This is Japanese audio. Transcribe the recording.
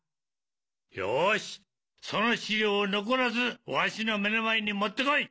よしその資料を残らずわしの目の前に持って来い！